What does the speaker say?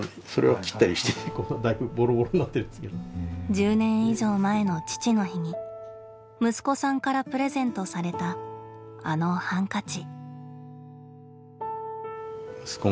１０年以上前の父の日に息子さんからプレゼントされたあのハンカチ。